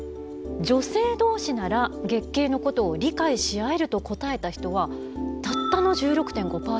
「女性どうしなら月経のことを理解しあえる」と答えた人はたったの１６．５％。